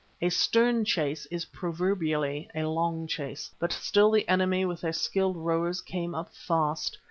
A stern chase is proverbially a long chase, but still the enemy with their skilled rowers came up fast.